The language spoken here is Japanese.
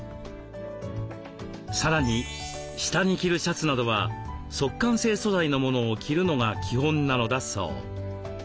さらに下に着るシャツなどは速乾性素材のものを着るのが基本なのだそう。